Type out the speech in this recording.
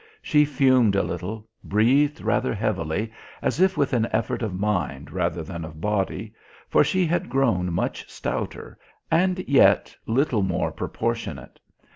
She fumed a little, breathed rather heavily, as if with an effort of mind rather than of body; for she had grown much stouter and yet little more proportionate.